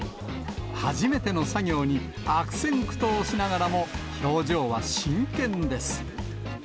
初めての作業に、悪戦苦闘しながらも、表情は真剣です。